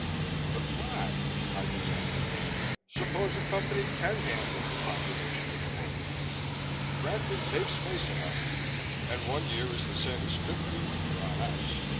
"But why?" I demanded. "Suppose the Company can handle the population of the whole world? Granted, they've space enough and one year is the same as fifty when you're on ice.